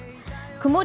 曇り